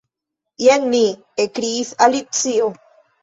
"Jen mi" ekkriis Alicio.